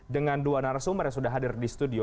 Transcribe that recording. dengan dua narasumber yang sudah hadir di studio